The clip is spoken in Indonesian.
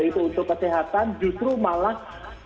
itu untuk kesehatan justru malah